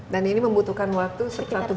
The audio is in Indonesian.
dan ini membutuhkan waktu sekitar satu bulan